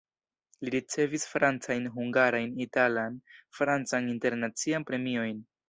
Li ricevis francajn, hungarajn, italan, francan, internacian premiojn.